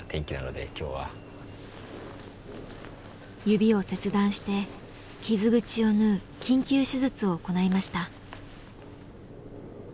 指を切断して傷口を縫う緊急手術を行いました。